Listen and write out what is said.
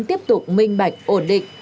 tiếp tục minh bạch ổn định